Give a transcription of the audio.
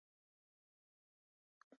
Moarn sil ik te hynsteriden.